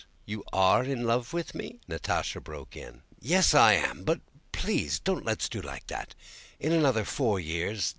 "You are in love with me?" Natásha broke in. "Yes, I am, but please don't let us do like that.... In another four years